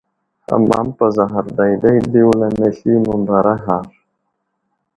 Ham amapazaghar dayday di wulam masli məmbaraghar.